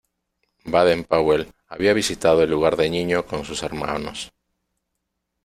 Baden-Powell había visitado el lugar de niño con sus hermanos.